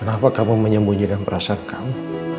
kenapa kamu menyembunyikan perasaan kamu